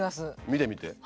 見てみて。